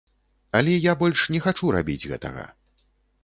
Але я больш не хачу рабіць гэтага.